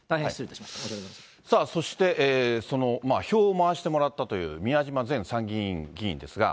申し訳ござさあ、そして、その票を回してもらったという宮島前参議院議員ですが。